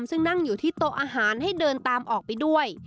ซึ่งนั่งอยู่ที่โต๊ะอาหารให้เดินตามออกไปด้วย